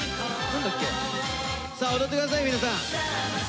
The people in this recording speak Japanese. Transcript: さあ踊ってください皆さん。